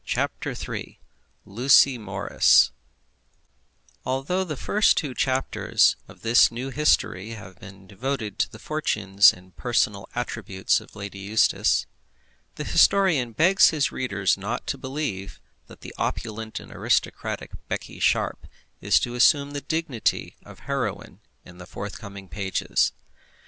CHAPTER III Lucy Morris Although the first two chapters of this new history have been devoted to the fortunes and personal attributes of Lady Eustace, the historian begs his readers not to believe that that opulent and aristocratic Becky Sharp is to assume the dignity of heroine in the forthcoming pages.